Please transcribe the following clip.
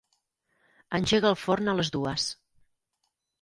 Engega el forn a les dues.